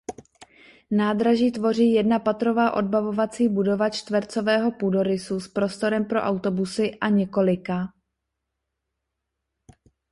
Nádraží tvoří jedna patrová odbavovací budova čtvercového půdorysu s prostorem pro autobusy a několika.